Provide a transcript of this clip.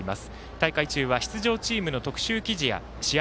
大会中は出場チームの特集記事や試合